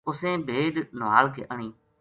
اُسیں بھیڈ نُہال کے آنی